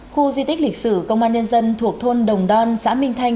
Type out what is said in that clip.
khu di tích lịch sử công an nhân dân thuộc thôn đồng đoan xã minh thanh